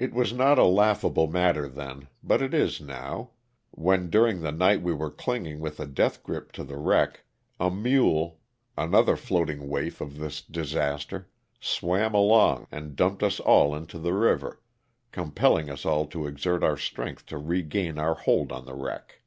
It was not a laugh able matter then, but it is now, when during the night we were clinging with a death grip to the wreck, a mule — another floating waif of this disaster — swam along and dumped us all into the river, compelling us all to exert our strength to regain our hold on the wreck.